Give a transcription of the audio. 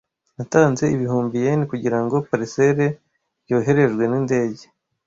Natanze ibihumbi yen kugirango parcelle yoherejwe nindege.